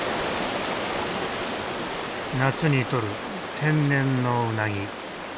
夏にとる天然のウナギ。